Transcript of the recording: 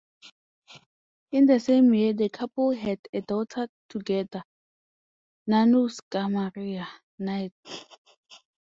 In the same year the couple had a daughter together, Nanouska Maria Knight.